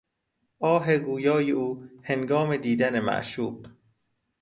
آه گویای او هنگام دیدن معشوق